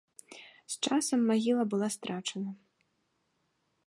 З часам магіла была страчана.